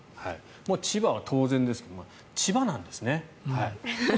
千葉は当然ですが千葉なんですね。